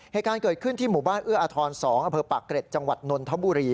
เหตุการณ์เกิดขึ้นที่หมู่บ้านเอื้ออทร๒อำเภอปากเกร็ดจังหวัดนนทบุรี